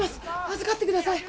預かって下さい。